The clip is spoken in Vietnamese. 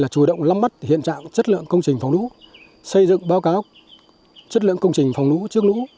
là lực lượng lắm mất hiện trạng chất lượng công trình phòng lũ xây dựng báo cáo chất lượng công trình phòng lũ trước lũ